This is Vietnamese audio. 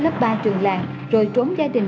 lớp ba trường làng rồi trốn gia đình